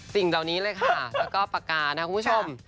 สิ่งเดาหนีแล้วค่ะและก็ปากกานะครับคุณผู้ชม